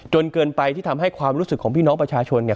เกินไปที่ทำให้ความรู้สึกของพี่น้องประชาชนเนี่ย